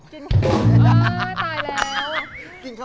กินที่ที่รับ